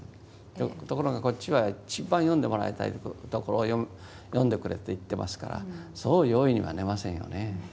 ところがこっちは一番読んでもらいたいところを読んでくれと言ってますからそう容易には寝ませんよね。